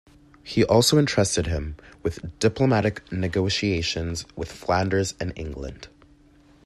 He also entrusted him with diplomatic negotiations with Flanders and England.